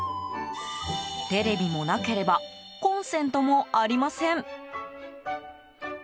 テレビもなければコンセントもありません。